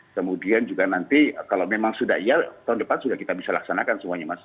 kemudian juga nanti kalau memang sudah iya tahun depan sudah kita bisa laksanakan semuanya mas